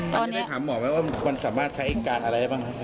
ตอนนี้ได้ถามหมอไหมว่ามันสามารถใช้อีกการอะไรบ้าง